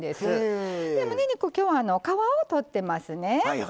むね肉今日は皮を取ってますね。